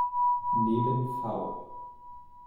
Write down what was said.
Neben „V.